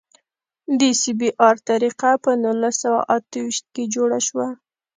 د سی بي ار طریقه په نولس سوه اته ویشت کې جوړه شوه